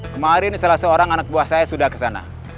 kemarin salah seorang anak buah saya sudah ke sana